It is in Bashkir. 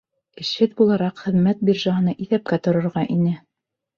— Эшһеҙ булараҡ хеҙмәт биржаһына иҫәпкә торорға ине.